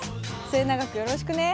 末永くよろしくね！